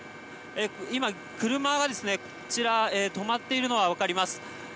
今、車がこちら止まっているのがわかります。